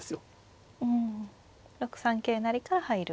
うん６三桂成から入る。